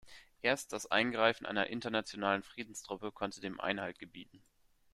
Erst das Eingreifen einer internationalen Friedenstruppe konnte dem Einhalt gebieten.